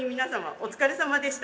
お疲れさまでした。